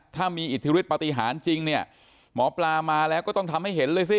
ถ้ามีอิทธิฤทธปฏิหารจริงเนี่ยหมอปลามาแล้วก็ต้องทำให้เห็นเลยสิ